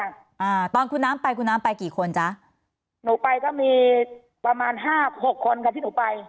อ่าตอนคุณน้ำไปคุณน้ำไปกี่คนจ๊ะหนูไปก็มีประมาณห้าหกคนค่ะที่หนูไป